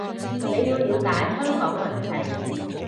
你要了解香港民情